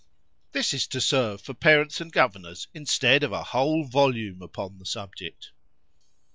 This is to serve for parents and governors instead of a whole volume upon the subject.